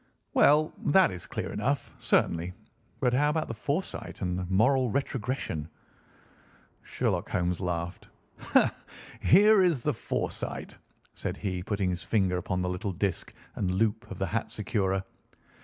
"Well, that is clear enough, certainly. But how about the foresight and the moral retrogression?" Sherlock Holmes laughed. "Here is the foresight," said he putting his finger upon the little disc and loop of the hat securer.